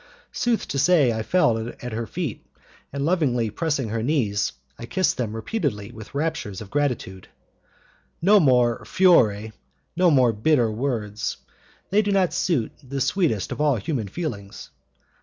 Sooth to say, I fell at her feet, and lovingly pressing her knees I kissed them repeatedly with raptures of gratitude. No more 'furore', no more bitter words; they do not suit the sweetest of all human feelings!